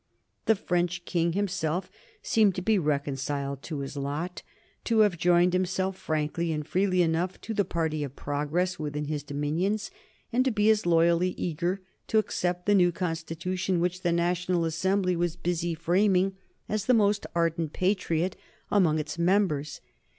The French King himself seemed to be reconciled to his lot, to have joined himself frankly and freely enough to the party of progress within his dominions, and to be as loyally eager to accept the new constitution which the National Assembly was busy framing as the most ardent patriot among its members.